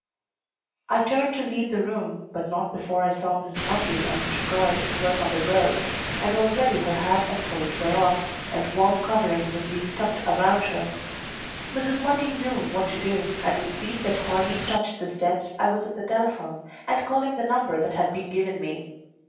I turned to leave the room, but not before I saw Mrs. Mundy and Mr. Guard at work on the girl, and already her hat and coat were off, and warm covering was being tucked around her. Mrs. Mundy knew what to do, and with feet that hardly touched the steps I was at the telephone and calling the number that had been given me.